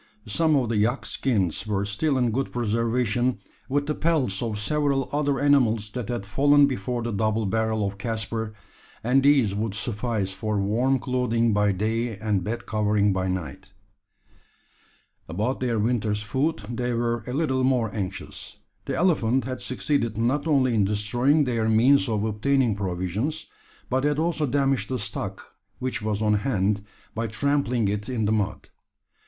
Some of the yak skins were still in good preservation with the pelts of several other animals that had fallen before the double barrel of Caspar and these would suffice for warm clothing by day and bed covering by night. About their winter's food they were a little more anxious. The elephant had succeeded not only in destroying their means of obtaining provisions, but had also damaged the stock which was on hand, by trampling it in the mud.